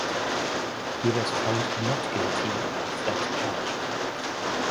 He was found not guilty of that charge.